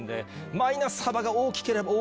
マイナス幅が大きければ大きいほど